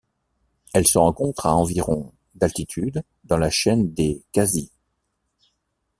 Elle se rencontre à environ d'altitude dans la chaîne des Khasi.